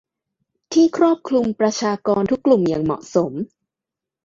ที่ครอบคลุมประชากรทุกกลุ่มอย่างเหมาะสม